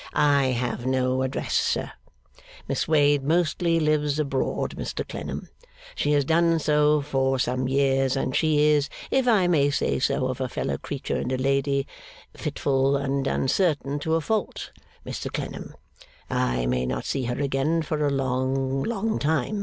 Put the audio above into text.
I have no address, sir. Miss Wade mostly lives abroad, Mr Clennam. She has done so for some years, and she is (if I may say so of a fellow creature and a lady) fitful and uncertain to a fault, Mr Clennam. I may not see her again for a long, long time.